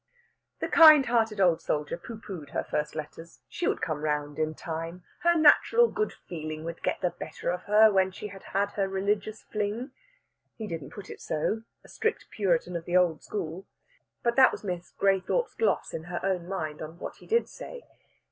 The kind hearted old soldier pooh poohed her first letters. She would come round in time. Her natural good feeling would get the better of her when she had had her religious fling. He didn't put it so a strict old Puritan of the old school but that was Miss Graythorpe's gloss in her own mind on what he did say.